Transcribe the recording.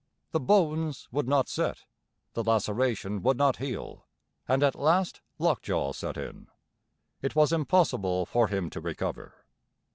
The bones would not set, the laceration would not heal, and at last lockjaw set in. It was impossible for him to recover.